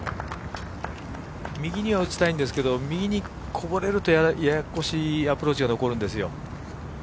右には打ちたいんですけど右にこぼれるとややこしいアプローチが残るんですよ。